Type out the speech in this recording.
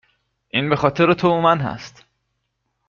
این بخاطر تو و من هست